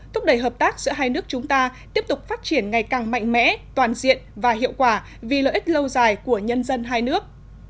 thúc đẩy hợp tác giữa hai nước chúng ta tiếp tục phát triển ngày càng mạnh mẽ toàn diện và hiệu quả vì lợi ích lâu dài của nhân dân hai nước